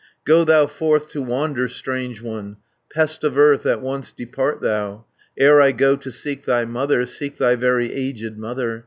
"Go thou forth to wander, strange one, Pest of earth, at once depart thou, Ere I go to seek thy mother, Seek thy very aged mother.